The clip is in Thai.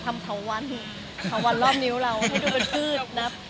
มีปิดฟงปิดไฟแล้วถือเค้กขึ้นมา